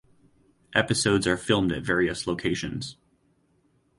Episodes are filmed at various locations.